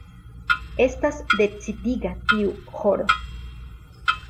Estas decidiga tiu horo.